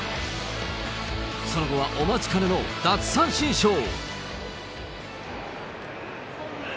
その後はお待ちかねの奪三振ショー。